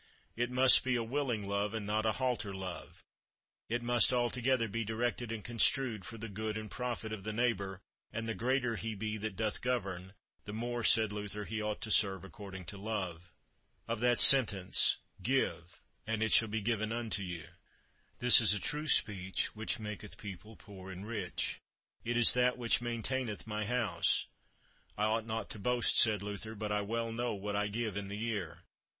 It must be a willing love, and not a halter love; it must altogether be directed and construed for the good and profit of the neighbour; and the greater he be that doth govern, the more, said Luther, he ought to serve according to love. Of that Sentence, "Give, and it shall be given unto you._"_ This is a true speech which maketh people poor and rich; it is that which maintaineth my house. I ought not to boast, said Luther, but I well know what I give in the year.